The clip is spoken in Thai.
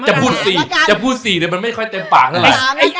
จะพูด๔จะพูด๔แต่มันไม่ค่อยเต็มปากเท่าไร